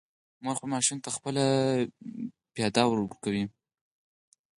مور خپل ماشوم ته خپل پی ورکوي